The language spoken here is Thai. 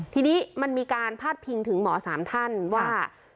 ทีนี้มันมีการพาดพิงถึงหมอ๓ท่านว่า